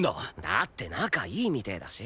だって仲いいみてーだし？